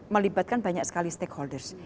melibatkan banyak sekali stakeholders